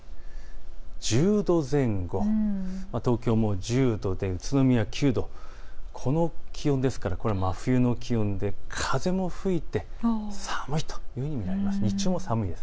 １０度前後、東京も１０度で宇都宮９度、この気温ですから冬の気温で風も吹いて寒いと見られます。